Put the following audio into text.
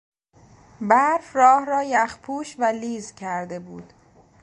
برف راه را یخپوش و لیز کرده بود.